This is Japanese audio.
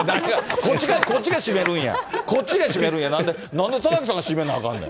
こっちが締めるんや、こっちが締めるんや、なんで田崎さんが締めなあかんねん。